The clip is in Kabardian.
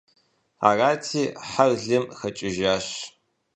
Арати, хьэр лым хэкӀыжащ.